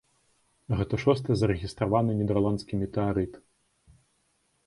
Гэта шосты зарэгістраваны нідэрландскі метэарыт.